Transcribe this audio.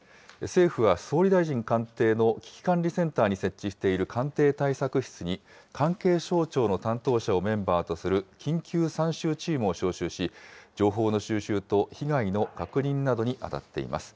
政府は総理大臣官邸の危機管理センターに設置している官邸対策室に、関係省庁の担当者をメンバーとする緊急参集チームを招集し、情報の収集と被害の確認などに当たっています。